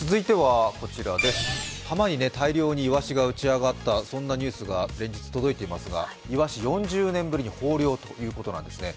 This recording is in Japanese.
続いては浜に大量にイワシが打ち上がったニュースが連日届いていますがイワシ４０年ぶりに豊漁ということなんですね。